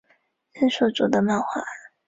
普伦罗伊特是德国巴伐利亚州的一个市镇。